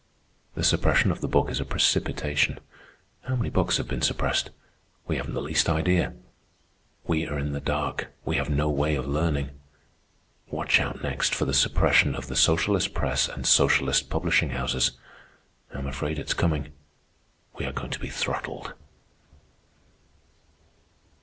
The suppression of the book is a precipitation. How many books have been suppressed? We haven't the least idea. We are in the dark. We have no way of learning. Watch out next for the suppression of the socialist press and socialist publishing houses. I'm afraid it's coming. We are going to be throttled."